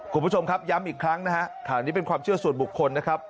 คุณผู้ชมครับย้ำอีกครั้งนะฮะข่าวนี้เป็นความเชื่อส่วนบุคคลนะครับ